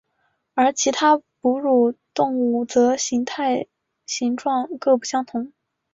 而其他哺乳动物则形状形态各不相同。